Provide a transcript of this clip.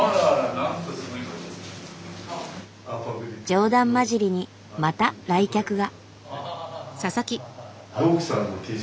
冗談交じりにまた来客が。